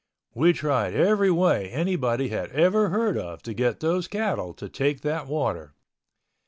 We tried every way anybody had ever heard of to get those cattle to take that water.